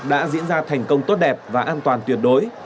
đã diễn ra thành công tốt đẹp và an toàn tuyệt đối